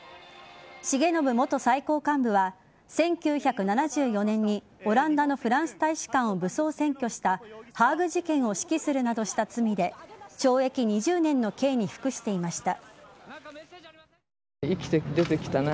重信元最高幹部は１９７４年にオランダのフランス大使館を武装占拠したハーグ事件を指揮するなどした罪で懲役２０年の刑に服していました。